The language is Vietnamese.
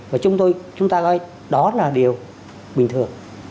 và chúng ta coi đó là điều bình thường